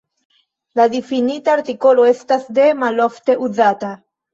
La difinita artikolo estas "de", malofte uzata.